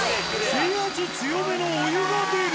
水圧強めのお湯が出る。